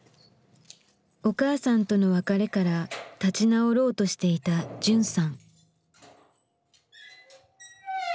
お母さんとの別れから立ち直ろうとしていたじゅんさん。